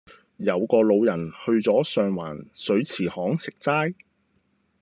有個老人去左上環水池巷食齋